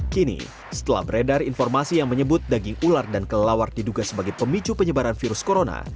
kini setelah beredar informasi yang menyebut daging ular dan kelelawar diduga sebagai pemicu penyebaran virus corona